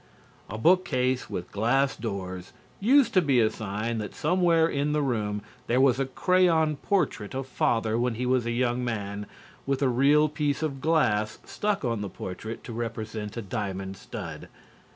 ] A bookcase with glass doors used to be a sign that somewhere in the room there was a crayon portrait of Father when he was a young man, with a real piece of glass stuck on the portrait to represent a diamond stud.